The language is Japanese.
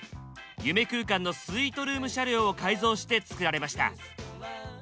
夢空間のスイートルーム車両を改造して作られました。